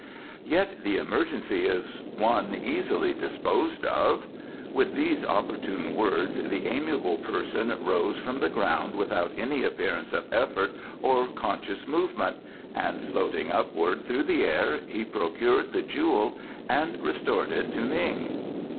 "Yet the emergency is one easily disposed of." With these opportune words the amiable person rose from the ground without any appearance of effort or conscious movement, and floating upward through the air he procured the jewel and restored it to Ning.